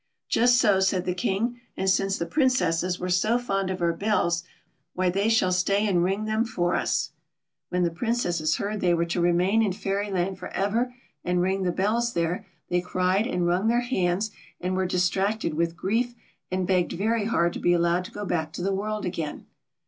"Just so," said the King; "and since the Princesses were so fond of our bells, why they shall stay and ring them for us." BATTY. 217 VVlien the Princesses heard that they were to remain ill Fairyland for ever and ring the bells there, they cried and wrung their hands, and were distracted with grief, and begged very hard to be allowed to go back to the world again.